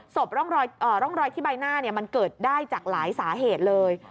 ร่องรอยที่ใบหน้ามันเกิดได้จากหลายสาเหตุเลย